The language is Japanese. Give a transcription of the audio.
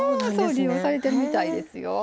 利用されてるみたいですよ。